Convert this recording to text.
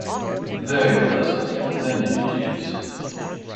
Very pleasant, thank you, Jeeves.